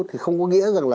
thì không có nghĩa rằng là